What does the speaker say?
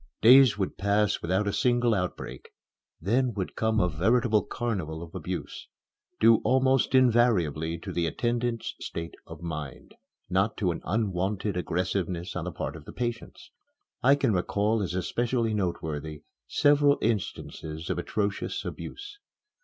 Days would pass without a single outbreak. Then would come a veritable carnival of abuse due almost invariably to the attendants' state of mind, not to an unwonted aggressiveness on the part of the patients. I can recall as especially noteworthy several instances of atrocious abuse.